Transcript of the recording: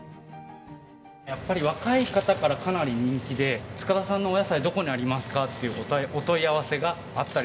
やっぱり若い方からかなり人気で塚田さんのお野菜どこにありますか？というお問い合わせがあったりだとか。